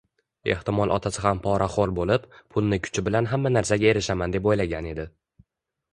Ehtimol otasi ham poraxoʻr boʻlib, pulni kuchi bilan hamma narsaga erishaman deb oʻylagan edi.